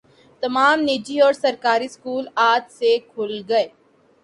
تمام نجی اور سرکاری اسکول آج سے کھل گئے